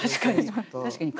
確かに。